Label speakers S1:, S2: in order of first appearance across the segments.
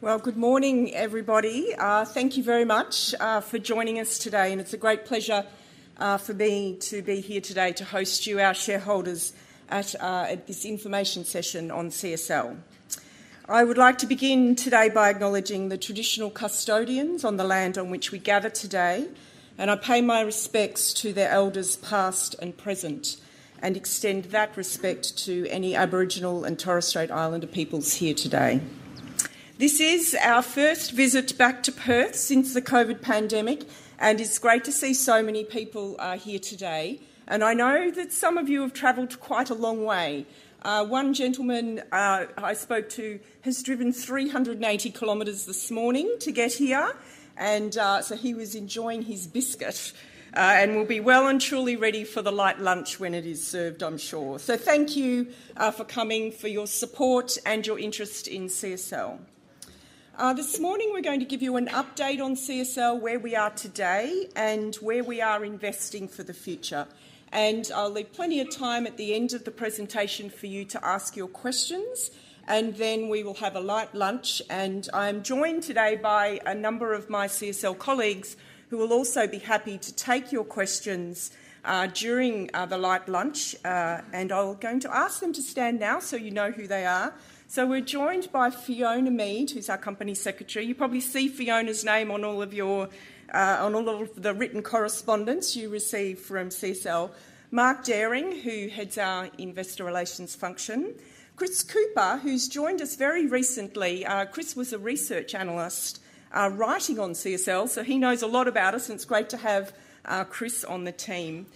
S1: Well, good morning, everybody. Thank you very much for joining us today, and it's a great pleasure for me to be here today to host you, our shareholders, at this information session on CSL. I would like to begin today by acknowledging the traditional custodians on the land on which we gather today, and I pay my respects to their elders past and present, and extend that respect to any Aboriginal and Torres Strait Islander peoples here today. This is our first visit back to Perth since the COVID pandemic, and it's great to see so many people here today. I know that some of you have travelled quite a long way. One gentleman I spoke to has driven 380 km this morning to get here, and so he was enjoying his biscuit and will be well and truly ready for the light lunch when it is served, I'm sure. Thank you for coming, for your support, and your interest in CSL. This morning we're going to give you an update on CSL, where we are today, and where we are investing for the future. I'll leave plenty of time at the end of the presentation for you to ask your questions, and then we will have a light lunch. I'm joined today by a number of my CSL colleagues who will also be happy to take your questions during the light lunch, and I'm going to ask them to stand now so you know who they are. We're joined by Fiona Mead, who's our Company Secretary. You probably see Fiona's name on all of the written correspondence you receive from CSL. Mark Dehring, who heads our investor relations function. Chris Cooper, who's joined us very recently. Chris was a research analyst writing on CSL, so he knows a lot about us, and it's great to have Chris on the team.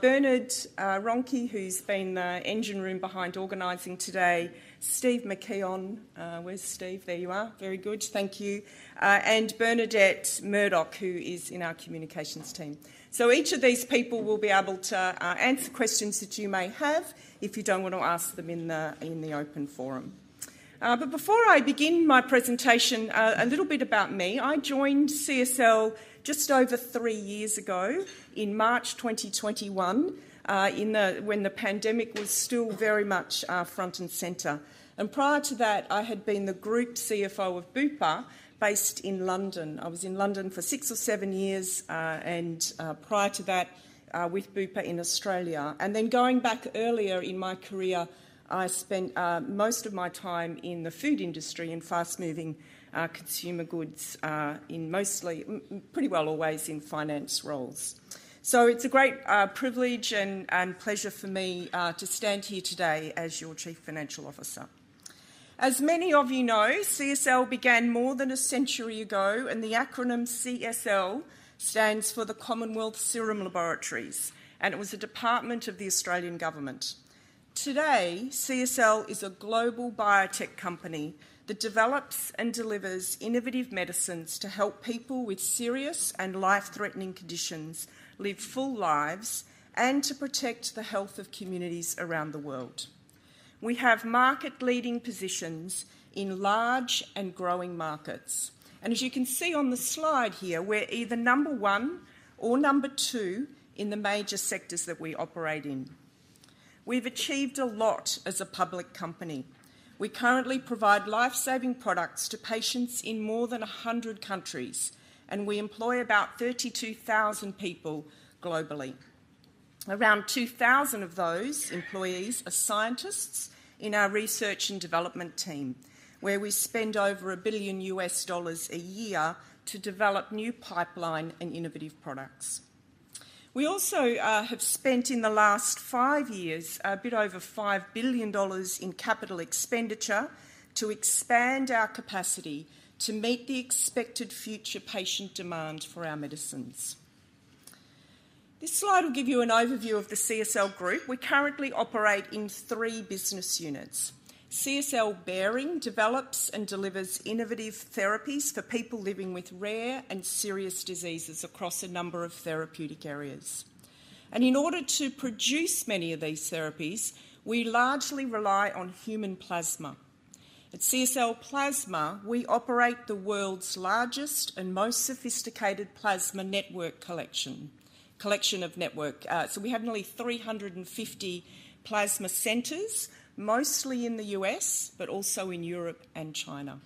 S1: Bernard Ronchi, who's been the engine room behind organizing today. Steve McKeon, where's Steve? There you are. Very good. Thank you. And Bernadette Murdoch, who is in our communications team. So each of these people will be able to answer questions that you may have if you don't want to ask them in the open forum. But before I begin my presentation, a little bit about me. I joined CSL just over three years ago, in March 2021, when the pandemic was still very much front and center. Prior to that, I had been the group CFO of Bupa based in London. I was in London for six or seven years, and prior to that with Bupa in Australia. Then going back earlier in my career, I spent most of my time in the food industry and fast-moving consumer goods, pretty well always in finance roles. It's a great privilege and pleasure for me to stand here today as your Chief Financial Officer. As many of you know, CSL began more than a century ago, and the acronym CSL stands for the Commonwealth Serum Laboratories, and it was a department of the Australian government. Today, CSL is a global biotech company that develops and delivers innovative medicines to help people with serious and life-threatening conditions live full lives and to protect the health of communities around the world. We have market-leading positions in large and growing markets, and as you can see on the slide here, we're either number one or number two in the major sectors that we operate in. We've achieved a lot as a public company. We currently provide life-saving products to patients in more than 100 countries, and we employ about 32,000 people globally. Around 2,000 of those employees are scientists in our research and development team, where we spend over $1 billion a year to develop new pipeline and innovative products. We also have spent in the last five years a bit over $5 billion in capital expenditure to expand our capacity to meet the expected future patient demand for our medicines. This slide will give you an overview of the CSL Group. We currently operate in three business units. CSL Behring develops and delivers innovative therapies for people living with rare and serious diseases across a number of therapeutic areas. In order to produce many of these therapies, we largely rely on human plasma. At CSL Plasma, we operate the world's largest and most sophisticated plasma network collection. We have nearly 350 plasma centers, mostly in the U.S., but also in Europe and China.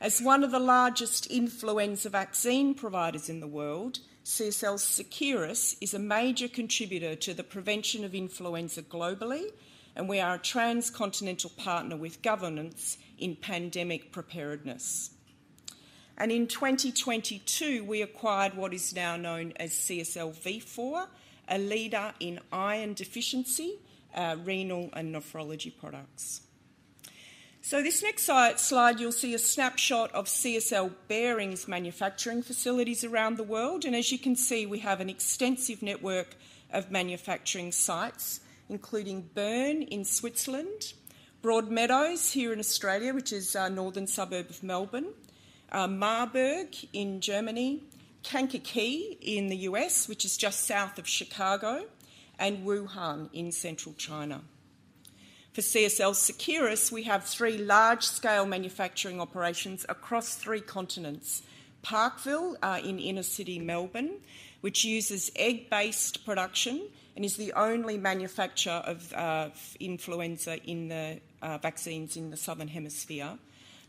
S1: As one of the largest influenza vaccine providers in the world, CSL Seqirus is a major contributor to the prevention of influenza globally, and we are a transcontinental partner with governments in pandemic preparedness. In 2022, we acquired what is now known as CSL Vifor, a leader in iron deficiency renal and nephrology products. This next slide, you'll see a snapshot of CSL Behring's manufacturing facilities around the world. As you can see, we have an extensive network of manufacturing sites, including Bern in Switzerland, Broadmeadows here in Australia, which is a northern suburb of Melbourne, Marburg in Germany, Kankakee in the U.S., which is just south of Chicago, and Wuhan in central China. For CSL Seqirus, we have three large-scale manufacturing operations across three continents. Parkville in inner-city Melbourne, which uses egg-based production and is the only manufacturer of influenza vaccines in the southern hemisphere.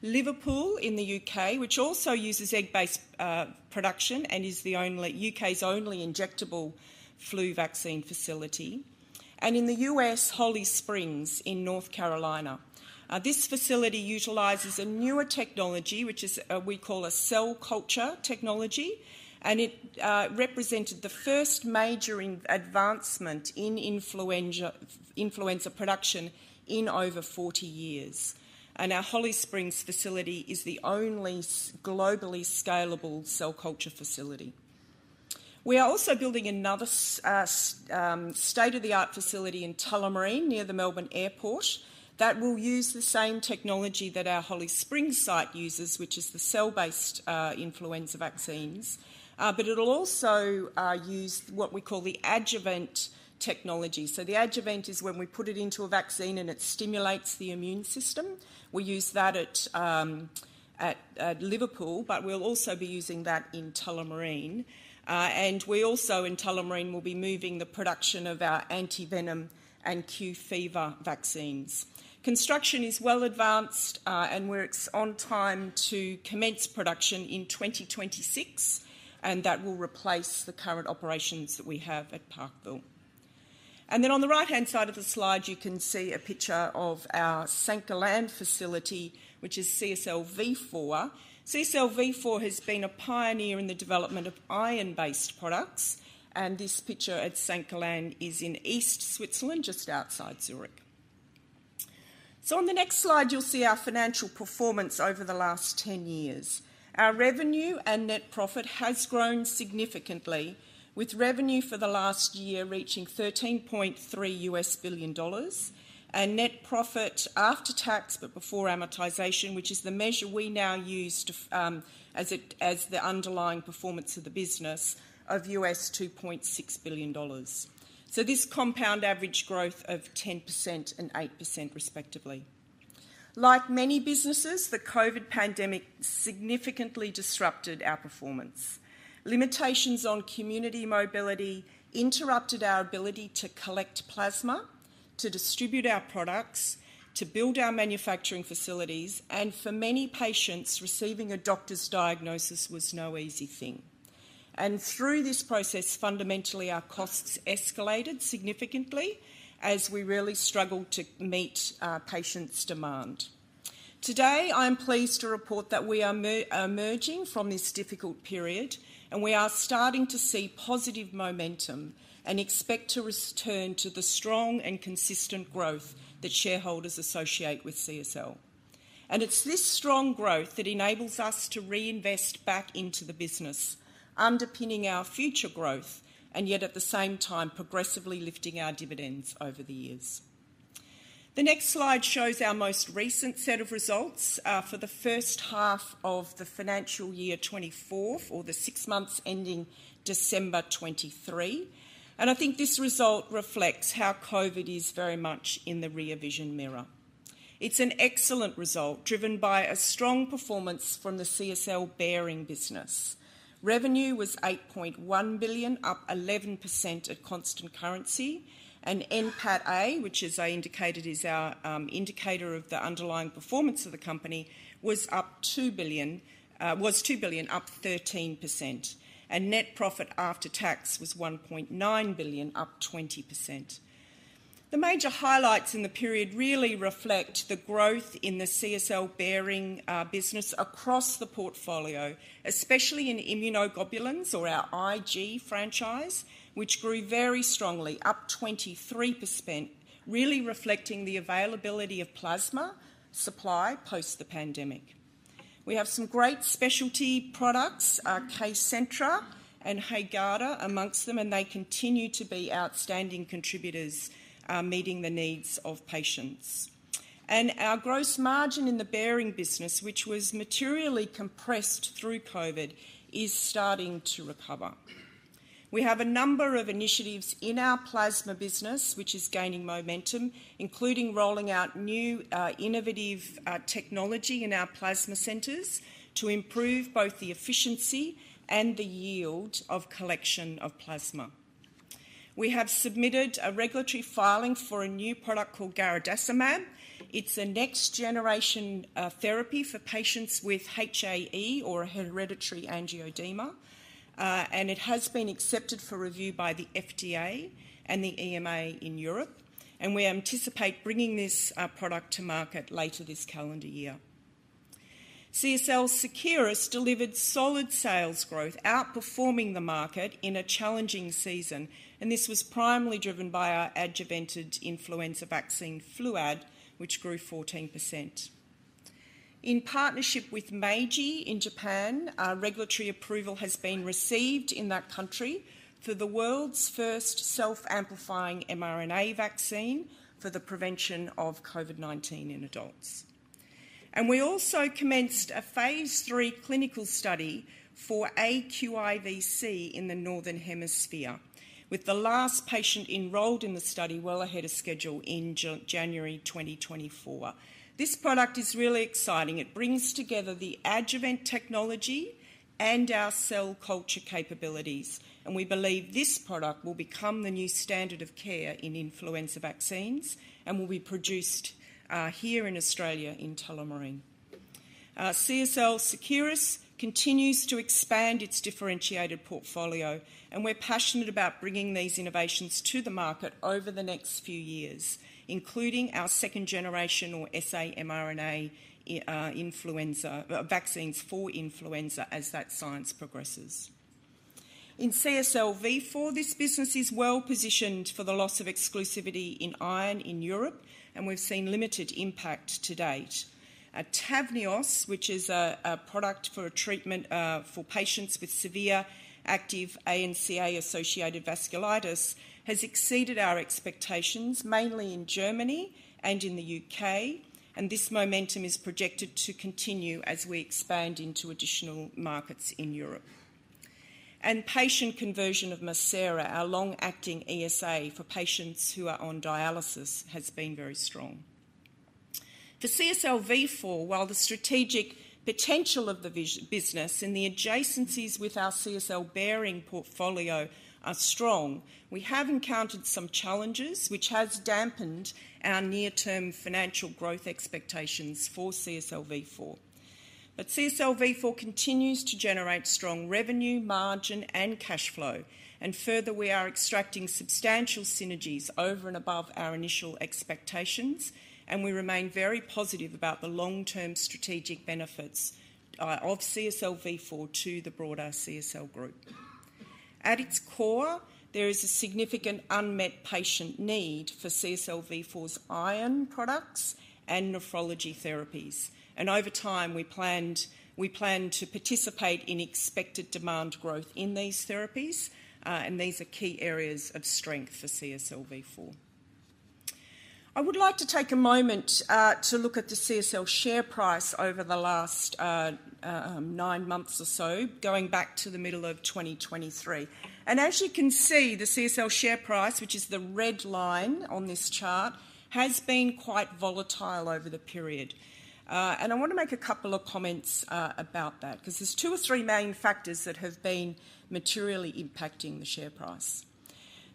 S1: Liverpool in the U.K., which also uses egg-based production and is the U.K.'s only injectable flu vaccine facility. And in the U.S., Holly Springs in North Carolina. This facility utilizes a newer technology, which we call a cell culture technology, and it represented the first major advancement in influenza production in over 40 years. And our Holly Springs facility is the only globally scalable cell culture facility. We are also building another state-of-the-art facility in Tullamarine near the Melbourne airport that will use the same technology that our Holly Springs site uses, which is the cell-based influenza vaccines. But it'll also use what we call the adjuvant technology. So the adjuvant is when we put it into a vaccine and it stimulates the immune system. We use that at Liverpool, but we'll also be using that in Tullamarine. And we also, in Tullamarine, will be moving the production of our anti-venom and Q fever vaccines. Construction is well advanced, and it's on time to commence production in 2026, and that will replace the current operations that we have at Parkville. And then on the right-hand side of the slide, you can see a picture of our St. Gallen facility, which is CSL Vifor. CSL Vifor has been a pioneer in the development of iron-based products, and this picture at St. Gallen is in east Switzerland, just outside Zurich. So on the next slide, you'll see our financial performance over the last 10 years. Our revenue and net profit has grown significantly, with revenue for the last year reaching $13.3 billion and net profit after tax but before amortization, which is the measure we now use as the underlying performance of the business, of $2.6 billion. So this compound average growth of 10% and 8%, respectively. Like many businesses, the COVID pandemic significantly disrupted our performance. Limitations on community mobility interrupted our ability to collect plasma, to distribute our products, to build our manufacturing facilities, and for many patients, receiving a doctor's diagnosis was no easy thing. Through this process, fundamentally, our costs escalated significantly as we really struggled to meet patients' demand. Today, I'm pleased to report that we are emerging from this difficult period, and we are starting to see positive momentum and expect to return to the strong and consistent growth that shareholders associate with CSL. It's this strong growth that enables us to reinvest back into the business, underpinning our future growth, and yet at the same time progressively lifting our dividends over the years. The next slide shows our most recent set of results for the first half of the financial year 2024, or the six months ending December 2023. I think this result reflects how COVID is very much in the rearview mirror. It's an excellent result, driven by a strong performance from the CSL Behring business. Revenue was $8.1 billion, up 11% at constant currency, and NPAT-A, which, as I indicated, is our indicator of the underlying performance of the company, was $2 billion, up 13%. Net profit after tax was $1.9 billion, up 20%. The major highlights in the period really reflect the growth in the CSL Behring business across the portfolio, especially in immunoglobulins, or our Ig franchise, which grew very strongly, up 23%, really reflecting the availability of plasma supply post-pandemic. We have some great specialty products, KCENTRA and HAEGARDA, among them, and they continue to be outstanding contributors meeting the needs of patients. Our gross margin in the Behring business, which was materially compressed through COVID, is starting to recover. We have a number of initiatives in our plasma business, which is gaining momentum, including rolling out new innovative technology in our plasma centers to improve both the efficiency and the yield of collection of plasma. We have submitted a regulatory filing for a new product called garadacimab. It's a next-generation therapy for patients with HAE, or hereditary angioedema, and it has been accepted for review by the FDA and the EMA in Europe. We anticipate bringing this product to market later this calendar year. CSL Seqirus delivered solid sales growth, outperforming the market in a challenging season, and this was primarily driven by our adjuvanted influenza vaccine, Fluad, which grew 14%. In partnership with Meiji in Japan, regulatory approval has been received in that country for the world's first self-amplifying mRNA vaccine for the prevention of COVID-19 in adults. We also commenced a Phase III clinical study for aQIVc in the northern hemisphere, with the last patient enrolled in the study well ahead of schedule in January 2024. This product is really exciting. It brings together the adjuvant technology and our cell culture capabilities, and we believe this product will become the new standard of care in influenza vaccines and will be produced here in Australia, in Tullamarine. CSL Seqirus continues to expand its differentiated portfolio, and we're passionate about bringing these innovations to the market over the next few years, including our second-generation, or sa-mRNA, vaccines for influenza as that science progresses. In CSL Vifor, this business is well positioned for the loss of exclusivity in iron in Europe, and we've seen limited impact to date. Tavneos, which is a product for treatment for patients with severe active ANCA-associated vasculitis, has exceeded our expectations, mainly in Germany and in the U.K., and this momentum is projected to continue as we expand into additional markets in Europe. Patient conversion of MIRCERA, our long-acting ESA for patients who are on dialysis, has been very strong. For CSL Vifor, while the strategic potential of the business and the adjacencies with our CSL Behring portfolio are strong, we have encountered some challenges, which have dampened our near-term financial growth expectations for CSL Vifor. CSL Vifor continues to generate strong revenue, margin, and cash flow, and further, we are extracting substantial synergies over and above our initial expectations, and we remain very positive about the long-term strategic benefits of CSL Vifor to the broader CSL group. At its core, there is a significant unmet patient need for CSL Vifor's iron products and nephrology therapies. Over time, we plan to participate in expected demand growth in these therapies, and these are key areas of strength for CSL Vifor. I would like to take a moment to look at the CSL share price over the last nine months or so, going back to the middle of 2023. As you can see, the CSL share price, which is the red line on this chart, has been quite volatile over the period. I want to make a couple of comments about that, because there's two or three main factors that have been materially impacting the share price.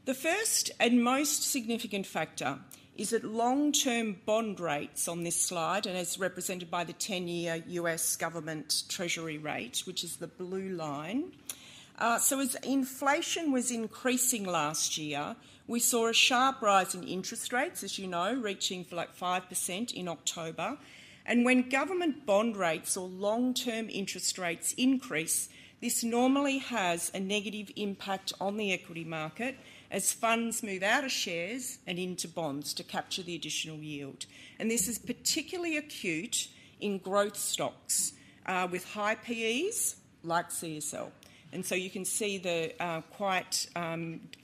S1: The first and most significant factor is that long-term bond rates on this slide, and as represented by the 10-year U.S. government Treasury rate, which is the blue line. So as inflation was increasing last year, we saw a sharp rise in interest rates, as you know, reaching 5% in October. When government bond rates, or long-term interest rates, increase, this normally has a negative impact on the equity market as funds move out of shares and into bonds to capture the additional yield. And this is particularly acute in growth stocks with high PEs like CSL. So you can see the quite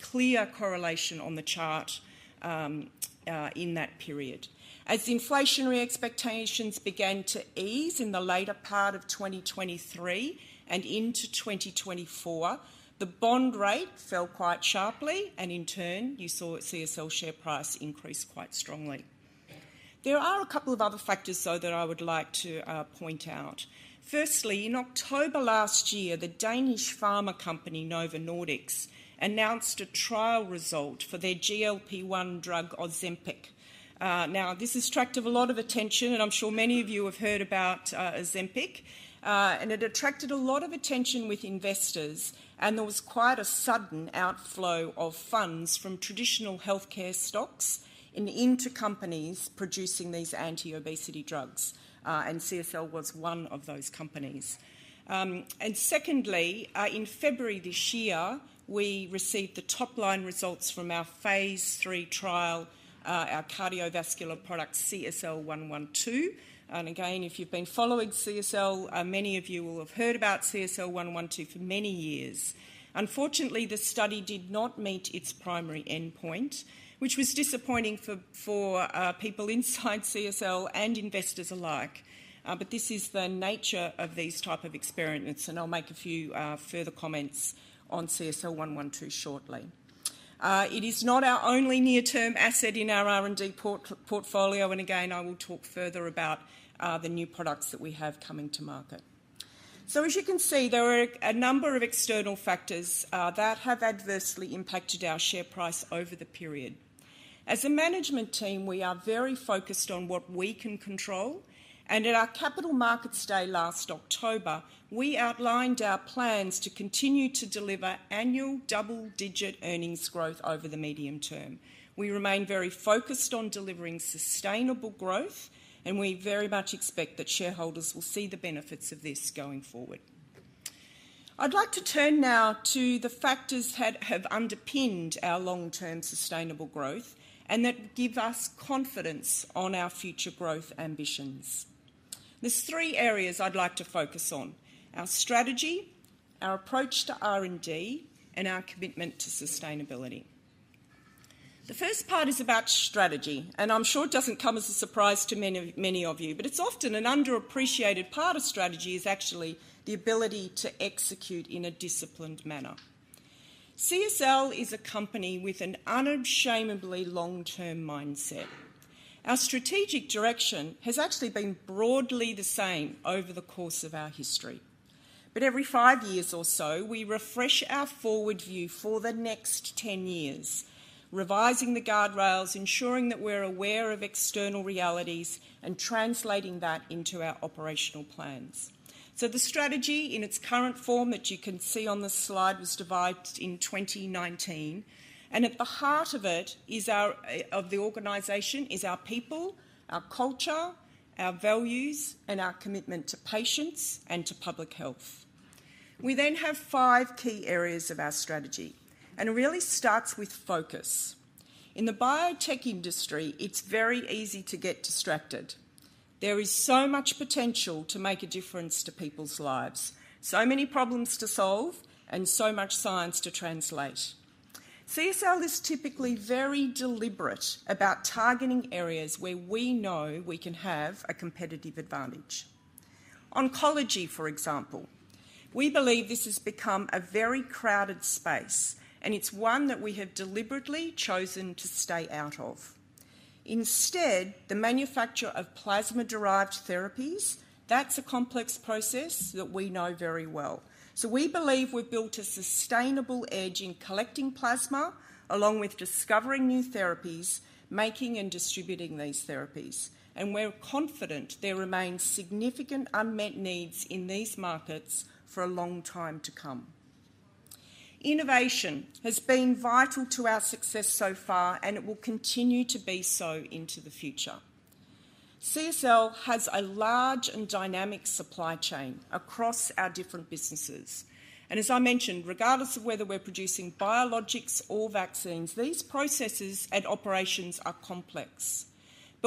S1: clear correlation on the chart in that period. As inflationary expectations began to ease in the later part of 2023 and into 2024, the bond rate fell quite sharply, and in turn, you saw CSL share price increase quite strongly. There are a couple of other factors, though, that I would like to point out. Firstly, in October last year, the Danish pharma company Novo Nordisk announced a trial result for their GLP-1 drug OZEMPIC. Now, this has attracted a lot of attention, and I'm sure many of you have heard about OZEMPIC. And it attracted a lot of attention with investors, and there was quite a sudden outflow of funds from traditional healthcare stocks into companies producing these anti-obesity drugs, and CSL was one of those companies. And secondly, in February this year, we received the top-line results from our Phase III trial, our cardiovascular product, CSL112. And again, if you've been following CSL, many of you will have heard about CSL112 for many years. Unfortunately, the study did not meet its primary endpoint, which was disappointing for people inside CSL and investors alike. But this is the nature of these types of experiments, and I'll make a few further comments on CSL112 shortly. It is not our only near-term asset in our R&D portfolio, and again, I will talk further about the new products that we have coming to market. So as you can see, there are a number of external factors that have adversely impacted our share price over the period. As a management team, we are very focused on what we can control, and at our capital markets day last October, we outlined our plans to continue to deliver annual double-digit earnings growth over the medium term. We remain very focused on delivering sustainable growth, and we very much expect that shareholders will see the benefits of this going forward. I'd like to turn now to the factors that have underpinned our long-term sustainable growth and that give us confidence on our future growth ambitions. There's three areas I'd like to focus on: our strategy, our approach to R&D, and our commitment to sustainability. The first part is about strategy, and I'm sure it doesn't come as a surprise to many of you, but it's often an underappreciated part of strategy is actually the ability to execute in a disciplined manner. CSL is a company with an unashamedly long-term mindset. Our strategic direction has actually been broadly the same over the course of our history. But every five years or so, we refresh our forward view for the next 10 years, revising the guardrails, ensuring that we're aware of external realities, and translating that into our operational plans. So the strategy, in its current form that you can see on the slide, was devised in 2019, and at the heart of it, of the organization, is our people, our culture, our values, and our commitment to patients and to public health. We then have five key areas of our strategy, and it really starts with focus. In the biotech industry, it's very easy to get distracted. There is so much potential to make a difference to people's lives, so many problems to solve, and so much science to translate. CSL is typically very deliberate about targeting areas where we know we can have a competitive advantage. Oncology, for example, we believe this has become a very crowded space, and it's one that we have deliberately chosen to stay out of. Instead, the manufacture of plasma-derived therapies, that's a complex process that we know very well. So we believe we've built a sustainable edge in collecting plasma, along with discovering new therapies, making and distributing these therapies, and we're confident there remain significant unmet needs in these markets for a long time to come. Innovation has been vital to our success so far, and it will continue to be so into the future. CSL has a large and dynamic supply chain across our different businesses. As I mentioned, regardless of whether we're producing biologics or vaccines, these processes and operations are complex.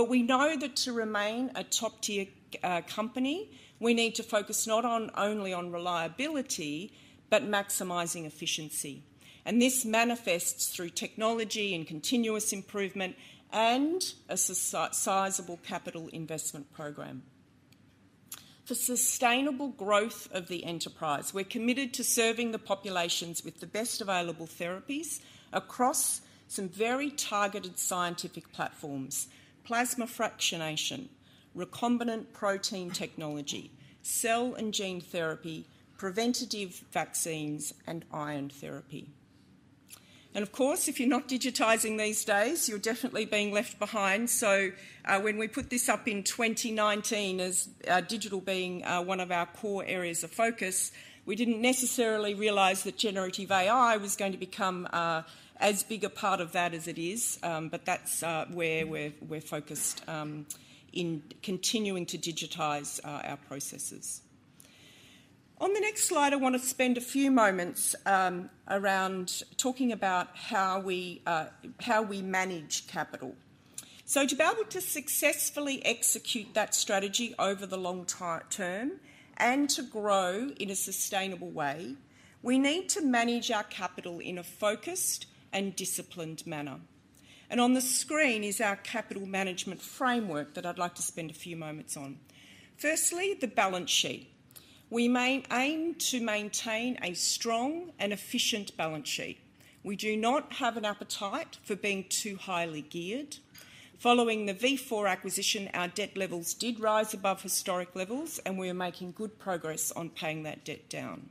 S1: We know that to remain a top-tier company, we need to focus not only on reliability but maximizing efficiency. This manifests through technology and continuous improvement and a sizable capital investment program. For sustainable growth of the enterprise, we're committed to serving the populations with the best available therapies across some very targeted scientific platforms: plasma fractionation, recombinant protein technology, cell and gene therapy, preventative vaccines, and iron therapy. And of course, if you're not digitizing these days, you're definitely being left behind. So when we put this up in 2019, as digital being one of our core areas of focus, we didn't necessarily realize that generative AI was going to become as big a part of that as it is. But that's where we're focused in continuing to digitize our processes. On the next slide, I want to spend a few moments around talking about how we manage capital. So to be able to successfully execute that strategy over the long term and to grow in a sustainable way, we need to manage our capital in a focused and disciplined manner. On the screen is our capital management framework that I'd like to spend a few moments on. Firstly, the balance sheet. We aim to maintain a strong and efficient balance sheet. We do not have an appetite for being too highly geared. Following the Vifor acquisition, our debt levels did rise above historic levels, and we are making good progress on paying that debt down.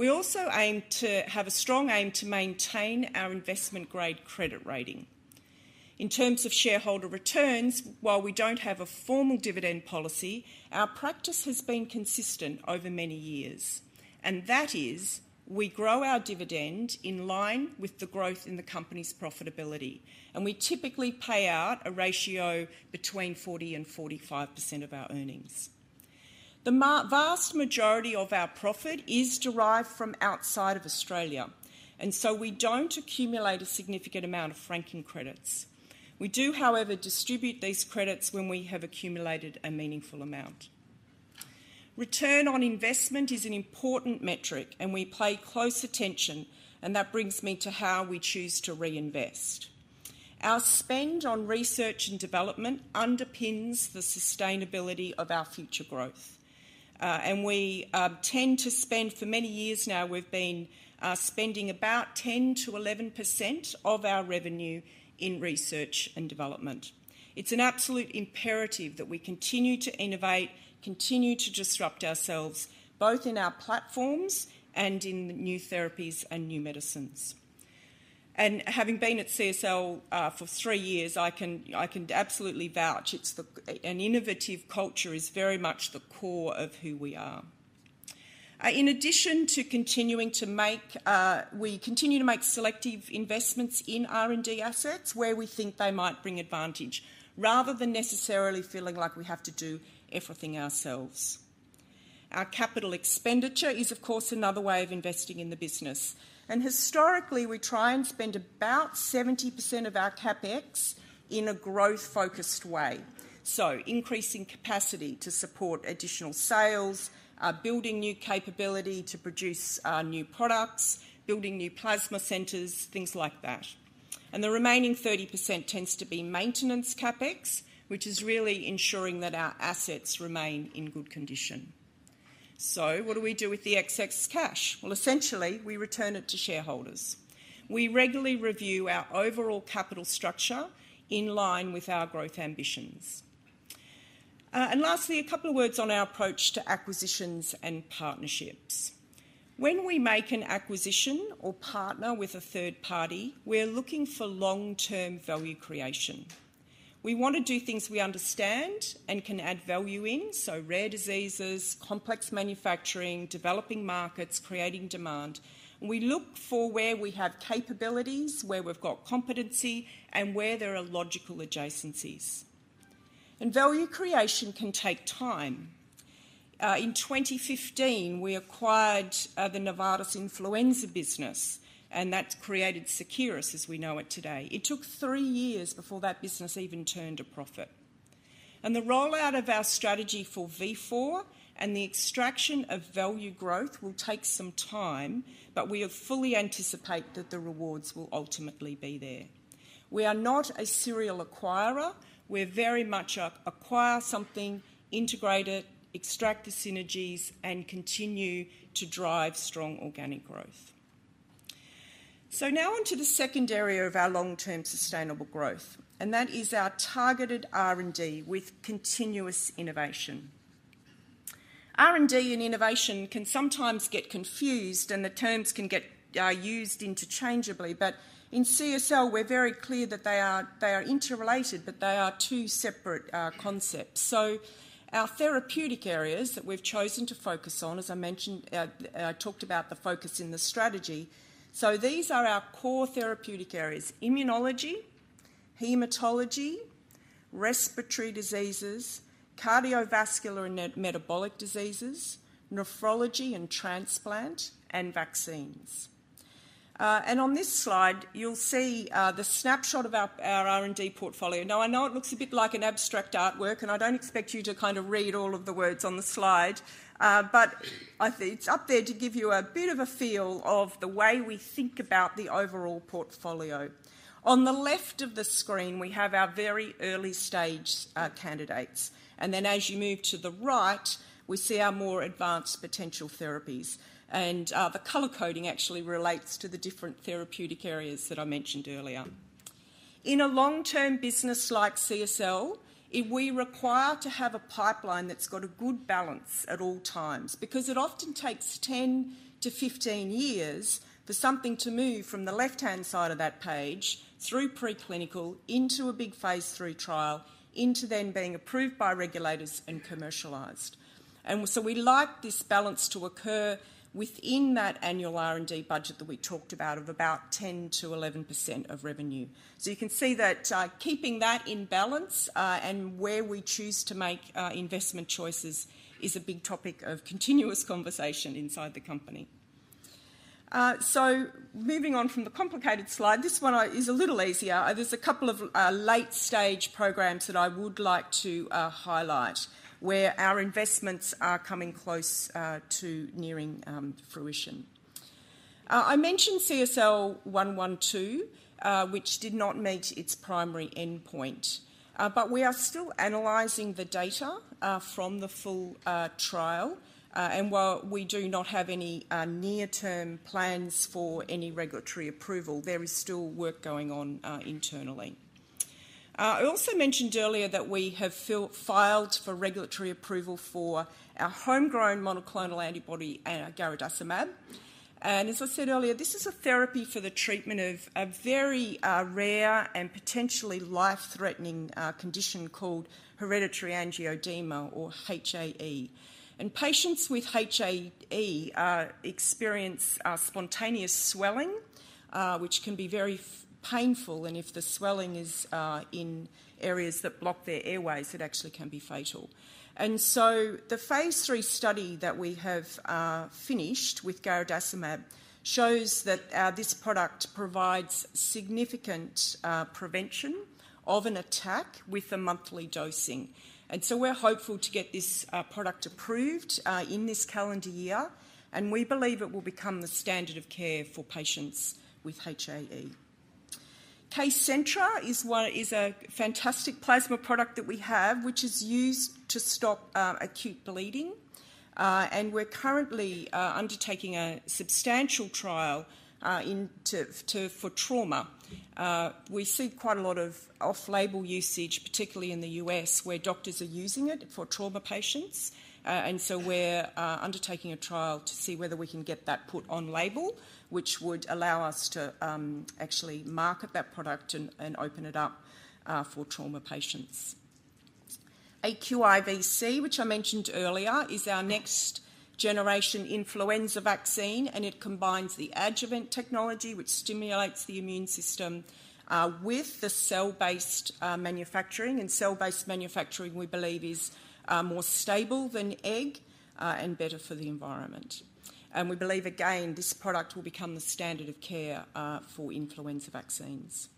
S1: We also aim to have a strong aim to maintain our investment-grade credit rating. In terms of shareholder returns, while we don't have a formal dividend policy, our practice has been consistent over many years. And that is, we grow our dividend in line with the growth in the company's profitability, and we typically pay out a ratio between 40%-45% of our earnings. The vast majority of our profit is derived from outside of Australia, and so we don't accumulate a significant amount of franking credits. We do, however, distribute these credits when we have accumulated a meaningful amount. Return on investment is an important metric, and we pay close attention, and that brings me to how we choose to reinvest. Our spend on research and development underpins the sustainability of our future growth. And we tend to spend for many years now, we've been spending about 10%-11% of our revenue in research and development. It's an absolute imperative that we continue to innovate, continue to disrupt ourselves, both in our platforms and in the new therapies and new medicines. And having been at CSL for three years, I can absolutely vouch it's an innovative culture is very much the core of who we are. In addition to continuing to make selective investments in R&D assets where we think they might bring advantage, rather than necessarily feeling like we have to do everything ourselves. Our capital expenditure is, of course, another way of investing in the business. Historically, we try and spend about 70% of our CapEx in a growth-focused way. So increasing capacity to support additional sales, building new capability to produce new products, building new plasma centers, things like that. And the remaining 30% tends to be maintenance CapEx, which is really ensuring that our assets remain in good condition. So what do we do with the excess cash? Well, essentially, we return it to shareholders. We regularly review our overall capital structure in line with our growth ambitions. Lastly, a couple of words on our approach to acquisitions and partnerships. When we make an acquisition or partner with a third party, we're looking for long-term value creation. We want to do things we understand and can add value in, so rare diseases, complex manufacturing, developing markets, creating demand. We look for where we have capabilities, where we've got competency, and where there are logical adjacencies. Value creation can take time. In 2015, we acquired Novartis's influenza business, and that created Seqirus, as we know it today. It took three years before that business even turned a profit. The rollout of our strategy for Vifor and the extraction of value growth will take some time, but we fully anticipate that the rewards will ultimately be there. We are not a serial acquirer. We very much acquire something, integrate it, extract the synergies, and continue to drive strong organic growth. So now onto the second area of our long-term sustainable growth, and that is our targeted R&D with continuous innovation. R&D and innovation can sometimes get confused, and the terms can get used interchangeably, but in CSL, we're very clear that they are interrelated, but they are two separate concepts. So our therapeutic areas that we've chosen to focus on, as I mentioned, I talked about the focus in the strategy. So these are our core therapeutic areas: immunology, hematology, respiratory diseases, cardiovascular and metabolic diseases, nephrology and transplant, and vaccines. And on this slide, you'll see the snapshot of our R&D portfolio. Now, I know it looks a bit like an abstract artwork, and I don't expect you to kind of read all of the words on the slide, but it's up there to give you a bit of a feel of the way we think about the overall portfolio. On the left of the screen, we have our very early-stage candidates. And then as you move to the right, we see our more advanced potential therapies. And the color coding actually relates to the different therapeutic areas that I mentioned earlier. In a long-term business like CSL, we require to have a pipeline that's got a good balance at all times because it often takes 10-15 years for something to move from the left-hand side of that page through preclinical into a big Phase III trial, into then being approved by regulators and commercialized. And so we like this balance to occur within that annual R&D budget that we talked about of about 10%-11% of revenue. So you can see that keeping that in balance and where we choose to make investment choices is a big topic of continuous conversation inside the company. So moving on from the complicated slide, this one is a little easier. There's a couple of late-stage programs that I would like to highlight where our investments are coming close to nearing fruition. I mentioned CSL112, which did not meet its primary endpoint. But we are still analyzing the data from the full trial, and while we do not have any near-term plans for any regulatory approval, there is still work going on internally. I also mentioned earlier that we have filed for regulatory approval for our homegrown monoclonal antibody garadacimab. And as I said earlier, this is a therapy for the treatment of a very rare and potentially life-threatening condition called hereditary angioedema or HAE. Patients with HAE experience spontaneous swelling, which can be very painful, and if the swelling is in areas that block their airways, it actually can be fatal. So the Phase III study that we have finished with garadacimab shows that this product provides significant prevention of an attack with a monthly dosing. So we're hopeful to get this product approved in this calendar year, and we believe it will become the standard of care for patients with HAE. KCENTRA is a fantastic plasma product that we have, which is used to stop acute bleeding. We're currently undertaking a substantial trial for trauma. We see quite a lot of off-label usage, particularly in the U.S., where doctors are using it for trauma patients. So we're undertaking a trial to see whether we can get that put on label, which would allow us to actually market that product and open it up for trauma patients. aQIVc, which I mentioned earlier, is our next-generation influenza vaccine, and it combines the adjuvant technology, which stimulates the immune system, with the cell-based manufacturing. Cell-based manufacturing, we believe, is more stable than egg and better for the environment. We believe, again, this product will become the standard of care for influenza vaccines.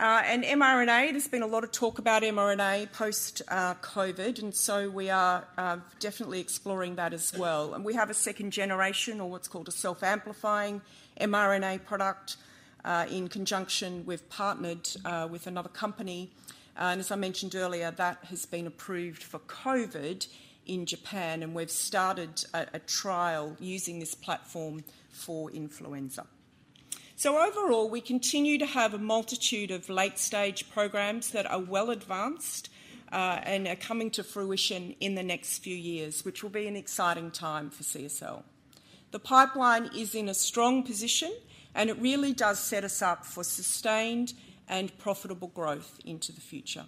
S1: mRNA, there's been a lot of talk about mRNA post-COVID, and so we are definitely exploring that as well. We have a second generation, or what's called a self-amplifying mRNA product, in conjunction with partnered with another company. As I mentioned earlier, that has been approved for COVID in Japan, and we've started a trial using this platform for influenza. Overall, we continue to have a multitude of late-stage programs that are well advanced and are coming to fruition in the next few years, which will be an exciting time for CSL. The pipeline is in a strong position, and it really does set us up for sustained and profitable growth into the future.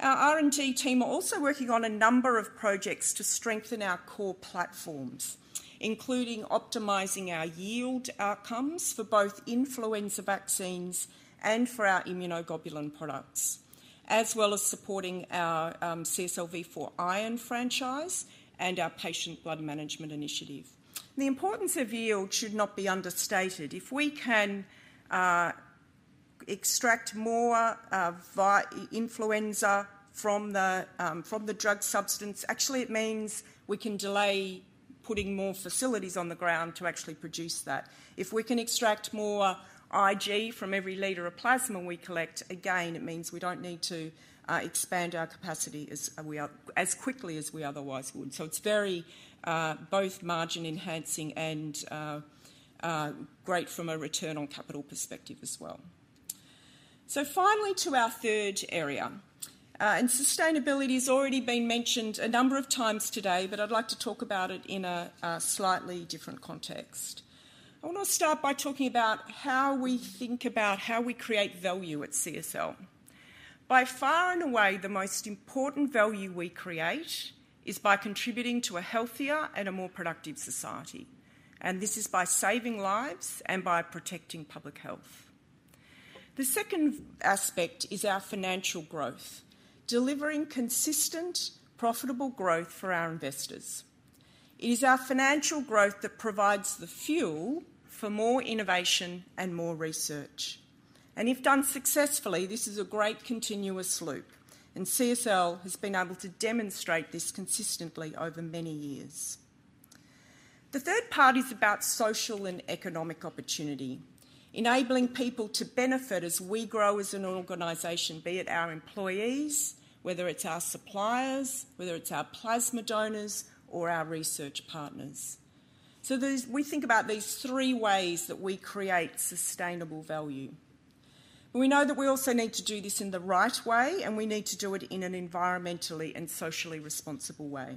S1: Our R&D team are also working on a number of projects to strengthen our core platforms, including optimizing our yield outcomes for both influenza vaccines and for our immunoglobulin products, as well as supporting our CSL Vifor iron franchise and our patient blood management initiative. The importance of yield should not be understated. If we can extract more influenza from the drug substance, actually, it means we can delay putting more facilities on the ground to actually produce that. If we can extract more Ig from every liter of plasma we collect, again, it means we don't need to expand our capacity as quickly as we otherwise would. So it's both margin-enhancing and great from a return-on-capital perspective as well. So finally, to our third area. Sustainability has already been mentioned a number of times today, but I'd like to talk about it in a slightly different context. I want to start by talking about how we think about how we create value at CSL. By far and away, the most important value we create is by contributing to a healthier and a more productive society. This is by saving lives and by protecting public health. The second aspect is our financial growth, delivering consistent, profitable growth for our investors. It is our financial growth that provides the fuel for more innovation and more research. And if done successfully, this is a great continuous loop, and CSL has been able to demonstrate this consistently over many years. The third part is about social and economic opportunity, enabling people to benefit as we grow as an organization, be it our employees, whether it's our suppliers, whether it's our plasma donors, or our research partners. So we think about these three ways that we create sustainable value. But we know that we also need to do this in the right way, and we need to do it in an environmentally and socially responsible way.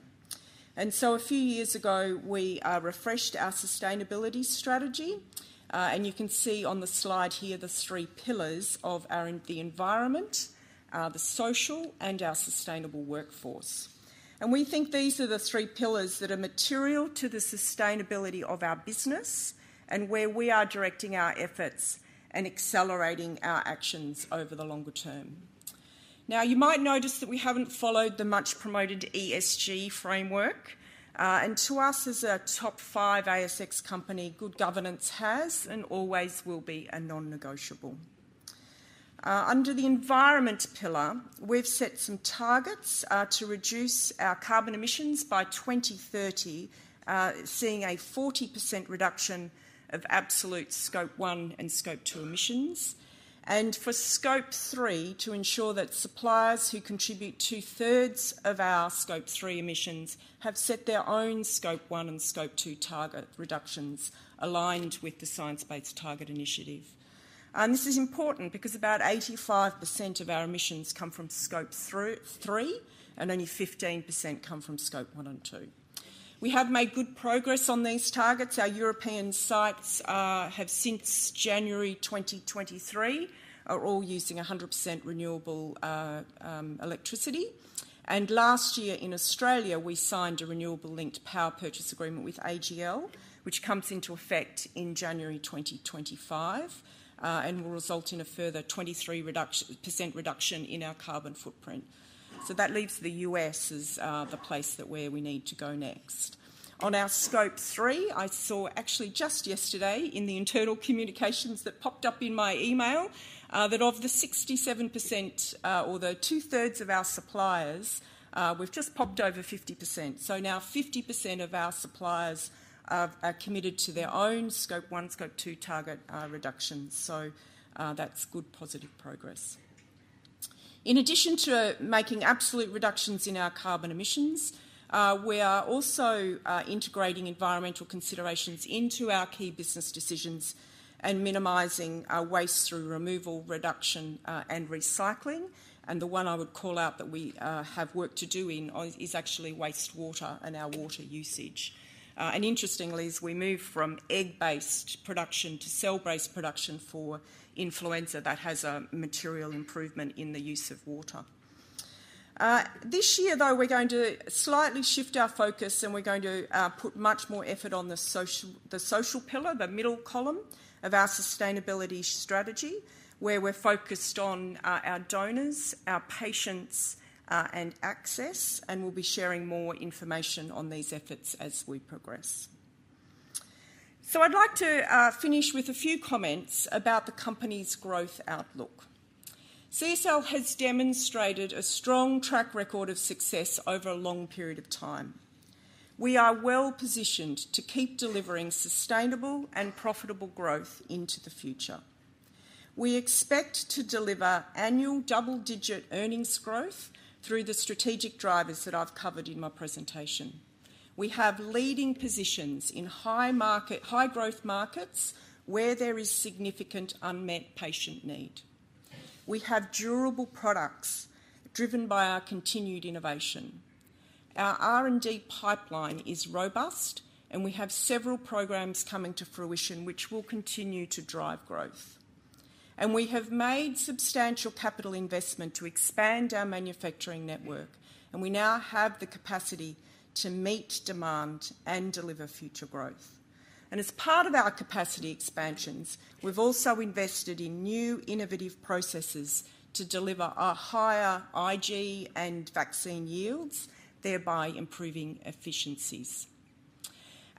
S1: And so a few years ago, we refreshed our sustainability strategy, and you can see on the slide here the three pillars of the environment, the social, and our sustainable workforce. And we think these are the three pillars that are material to the sustainability of our business and where we are directing our efforts and accelerating our actions over the longer term. Now, you might notice that we haven't followed the much-promoted ESG framework, and to us as a top five ASX company, good governance has and always will be a non-negotiable. Under the environment pillar, we've set some targets to reduce our carbon emissions by 2030, seeing a 40% reduction of absolute Scope One and Scope Two emissions, and for Scope Three to ensure that suppliers who contribute 2/3 of our Scope Three emissions have set their own Scope One and Scope Two target reductions aligned with the Science Based Targets initiative. This is important because about 85% of our emissions comes from Scope Three, and only 15% come from Scope One and Two. We have made good progress on these targets. Our European sites have since January 2023 are all using 100% renewable electricity. Last year in Australia, we signed a renewable-linked power purchase agreement with AGL, which comes into effect in January 2025 and will result in a further 23% reduction in our carbon footprint. That leaves the U.S. as the place where we need to go next. On our Scope Three, I saw actually just yesterday in the internal communications that popped up in my email that of the 67% or the 2/3 of our suppliers, we've just popped over 50%. So now 50% of our suppliers are committed to their own Scope One, Scope Two target reductions. So that's good positive progress. In addition to making absolute reductions in our carbon emissions, we are also integrating environmental considerations into our key business decisions and minimizing waste through removal, reduction, and recycling. The one I would call out that we have work to do in is actually wastewater and our water usage. Interestingly, as we move from egg-based production to cell-based production for influenza, that has a material improvement in the use of water. This year, though, we're going to slightly shift our focus, and we're going to put much more effort on the social pillar, the middle column of our sustainability strategy, where we're focused on our donors, our patients, and access, and we'll be sharing more information on these efforts as we progress. So I'd like to finish with a few comments about the company's growth outlook. CSL has demonstrated a strong track record of success over a long period of time. We are well-positioned to keep delivering sustainable and profitable growth into the future. We expect to deliver annual double-digit earnings growth through the strategic drivers that I've covered in my presentation. We have leading positions in high-growth markets where there is significant unmet patient need. We have durable products driven by our continued innovation. Our R&D pipeline is robust, and we have several programs coming to fruition which will continue to drive growth. We have made substantial capital investment to expand our manufacturing network, and we now have the capacity to meet demand and deliver future growth. As part of our capacity expansions, we've also invested in new innovative processes to deliver higher Ig and vaccine yields, thereby improving efficiencies.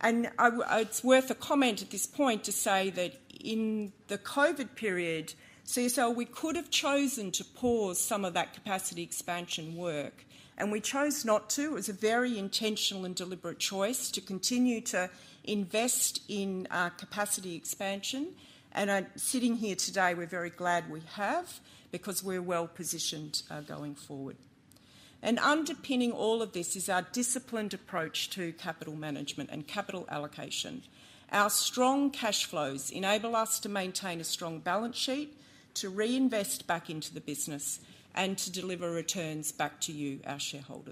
S1: It's worth a comment at this point to say that in the COVID period, CSL, we could have chosen to pause some of that capacity expansion work, and we chose not to. It was a very intentional and deliberate choice to continue to invest in capacity expansion. Sitting here today, we're very glad we have because we're well-positioned going forward. Underpinning all of this is our disciplined approach to capital management and capital allocation. Our strong cash flows enable us to maintain a strong balance sheet, to reinvest back into the business, and to deliver returns back to you, our shareholders.